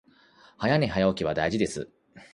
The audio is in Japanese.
早寝早起きは大事です